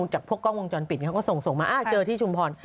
จากพวกกล้องวงจรปิดเขาก็ส่งส่งมาเจอที่ชุมพร